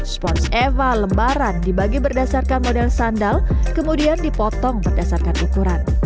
spons eva lembaran dibagi berdasarkan model sandal kemudian dipotong berdasarkan ukuran